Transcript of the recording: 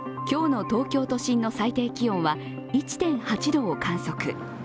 今日の東京都心の最低気温は１．８度を観測。